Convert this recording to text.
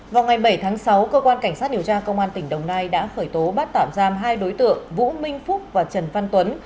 vào ngày bảy tháng sáu cơ quan cảnh sát điều tra công an tỉnh đồng nai đã khởi tố bắt tạm giam hai đối tượng vũ minh phúc và trần văn tuấn